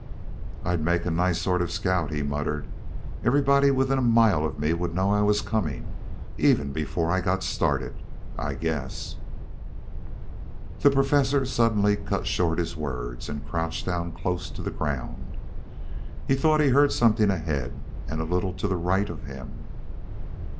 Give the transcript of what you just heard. "I'd make a nice sort of scout," he muttered. "Everybody within a mile of me would know I was coming even before I got started, I guess " The Professor suddenly cut short his words, and crouched down close to the ground. He thought he heard something ahead and a little to the right of him.